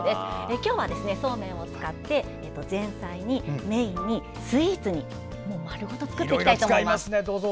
今日はそうめんを使って前菜にメインにスイーツにまるごと作っていきたいと思います。